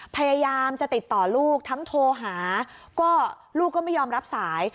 พยายามจะติดต่อลูกทั้งโทรหาก็ลูกก็ไม่ยอมรับสาย